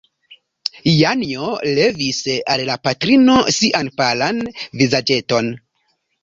Janjo levis al la patrino sian palan vizaĝeton.